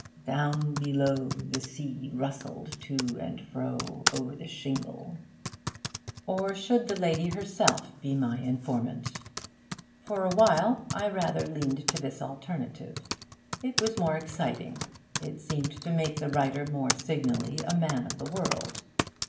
'Down below, the sea rustled to and fro over the shingle.' Or should the lady herself be my informant? For a while, I rather leaned to this alternative. It was more exciting, it seemed to make the writer more signally a man of the world.